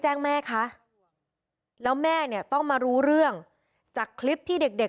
แจ้งแม่ไงครับแล้วแม่เนี่ยต้องมารู้เรื่องจากคลิปที่เด็ก